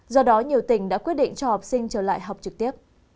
do đó nhiều tỉnh đã quyết định cho học sinh trở lại học trực tiếp